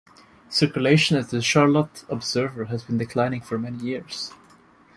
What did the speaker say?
Circulation at "The Charlotte Observer" has been declining for many years.